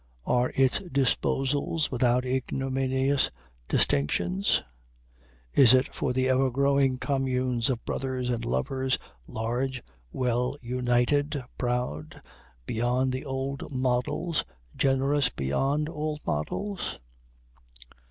Are its disposals without ignominious distinctions? Is it for the ever growing communes of brothers and lovers, large, well united, proud, beyond the old models, generous beyond all models?